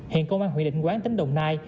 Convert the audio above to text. hiện công an huyện định quán tính đồng nai